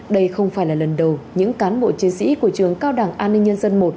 đây không phải là lần đầu những cán bộ chiến sĩ của trường cao đẳng an ninh dân một